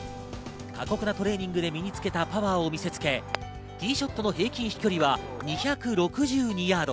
過酷なトレーニングで身につけたパワーを見せつけ、ティーショットの平均飛距離は２６２ヤード。